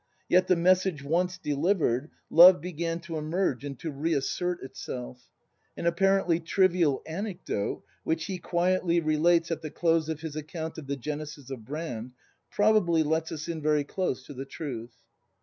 Yet the message once delivered, love began to emerge and to reassert itself. An apparently trivial anecdote, which he quietly relates at the close of his account of the genesis of Brand, probably lets us in very close to the truth.